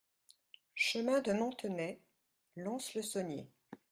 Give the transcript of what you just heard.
Chemin de Montenay, Lons-le-Saunier